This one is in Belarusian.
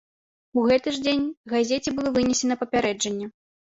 У гэты ж дзень газеце было вынесена папярэджанне.